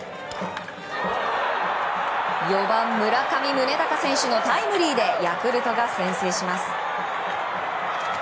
４番、村上宗隆選手のタイムリーでヤクルトが先制します。